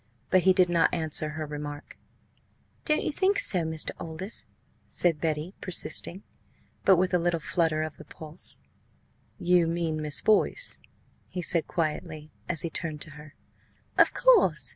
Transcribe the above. But he did not answer her remark. "Don't you think so, Mr. Aldous?" said Betty, persisting, but with a little flutter of the pulse. "You mean Miss Boyce?" he said quietly, as he turned to her. "Of course!"